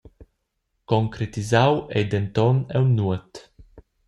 Concretisau ei denton aunc nuot.